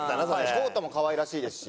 コートも可愛らしいですし。